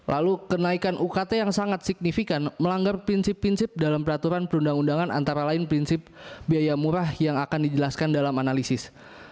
lalu kenaikan ukt yang sangat signifikan melanggar prinsip prinsip dalam peraturan perundang undangan antara lain prinsip biaya murah yang akan dijelaskan dalam analisis